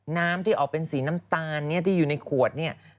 น้ำที่ออกเป็นสีน้ำตาลที่อยู่ในขวดเนี่ย